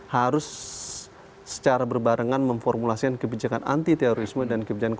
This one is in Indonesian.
harus secara berbarengan memformulasikan kebijakan anti terorisme dan kebijakan